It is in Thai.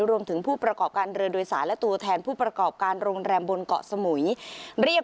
ผู้ประกอบการเรือโดยสารและตัวแทนผู้ประกอบการโรงแรมบนเกาะสมุยเรียก